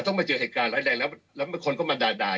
ต้องมาเจอเหตุการณ์แรงแรงแล้วแล้วคนก็มาด่าด่า